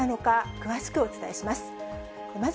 詳しくお伝えします。